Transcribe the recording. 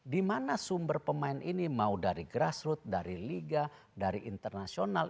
dimana sumber pemain ini mau dari grassroot dari liga dari internasional